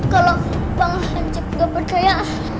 kalau bang mc nggak percaya